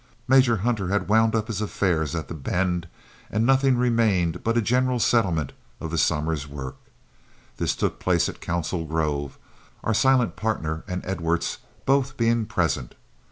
Major Hunter had wound up his affairs at The Bend, and nothing remained but a general settlement of the summer's work. This took place at Council Grove, our silent partner and Edwards both being present.